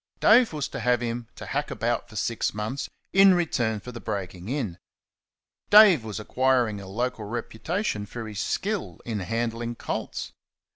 Dave was to have him to hack about for six months in return for the breaking in. Dave was acquiring a local reputation for his skill in handling colts.